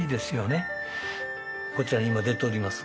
こちらに今出ております